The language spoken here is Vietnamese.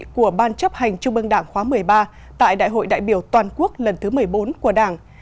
của bàn chấp hành chung mương đảng khóa một mươi ba tại đại hội đại biểu toàn quốc lần thứ một mươi bốn của đảng